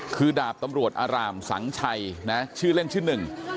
คือดาบตำรวจอารามสังชัยนะชื่อเล่นชื่อหนึ่ง